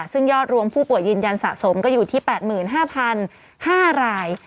ซึ่งยอดรวมผู้ป่วยยืนยันสะสมก็อยู่ที่๘๕๕ราย